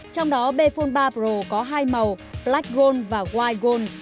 trong đó bphone ba pro có hai màu black gold và white gold